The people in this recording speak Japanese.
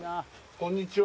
こんにちは